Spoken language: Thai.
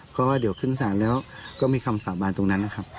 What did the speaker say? เพราะว่าเดี๋ยวขึ้นศาลแล้วก็มีคำสาบานตรงนั้นนะครับ